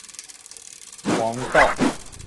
黄道周墓的历史年代为清。